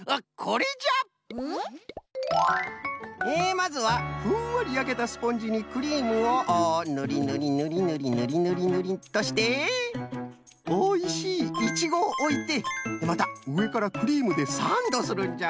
まずはふんわりやけたスポンジにクリームをぬりぬりぬりぬりっとしておいしいイチゴをおいてまたうえからクリームでサンドするんじゃ。